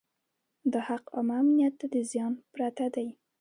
دا حق عامه امنیت ته د زیان پرته دی.